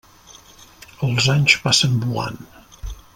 Els anys passen volant.